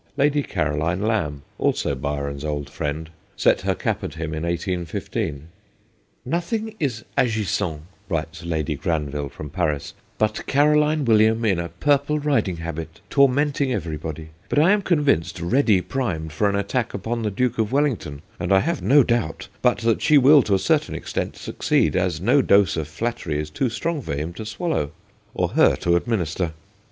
Lady Caroline Lamb, also LADY CAROLINE 173 Byron's old friend, set her cap at him in 1815. 'Nothing is agissant,' writes Lady Granville from Paris, ' but Caroline William in a purple riding habit, tormenting every body, but I am convinced ready primed for an attack upon the Duke of Wellington, and I have no doubt but that she will to a certain extent succeed, as no dose of flattery is too strong for him to swallow or her to administer.'